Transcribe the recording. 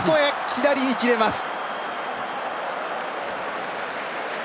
左に切れます！